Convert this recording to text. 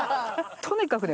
とにかくね